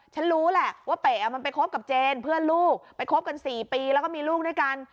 ฉันรู้แหละว่าเป๋มันไปคบกับเจนเพื่อนลูกไปคบกัน๔ปีแล้วก็มีลูกด้วยกัน